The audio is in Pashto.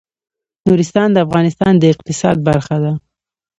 نورستان د افغانستان د اقتصاد برخه ده.